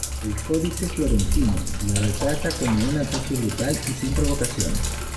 El Códice Florentino la retrata como un ataque brutal y sin provocación.